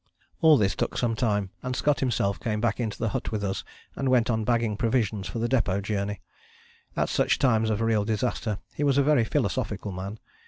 " All this took some time, and Scott himself came back into the hut with us and went on bagging provisions for the Depôt journey. At such times of real disaster he was a very philosophical man.